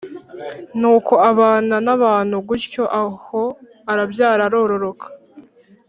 nuko abana n’abantu gutyo, aho, arabyara, arororoka.